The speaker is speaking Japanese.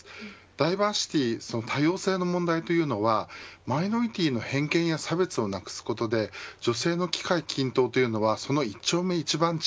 ダイバーシティー多様性の問題というのはマイノリティーの偏見や差別をなくすことで女性の機会均等というのはその１丁目１番地